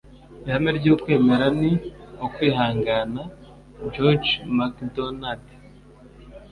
ihame ry'ukwemera ni ukwihangana. - george macdonald